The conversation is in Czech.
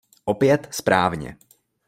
Opět správně.